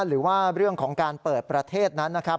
หรือว่าเรื่องของการเปิดประเทศนั้นนะครับ